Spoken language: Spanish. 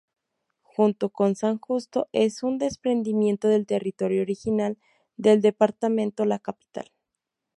Junto con San Justo, es un desprendimiento del territorio original del departamento La Capital.